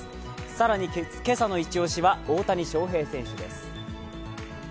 更に今朝のイチ押しは大谷翔平選手です。